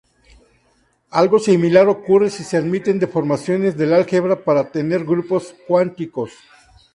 Algo similar ocurre si se admiten deformaciones del álgebra para tener grupos cuánticos.